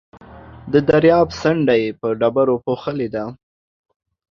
د درياب څنډه يې په ډبرو پوښلې ده.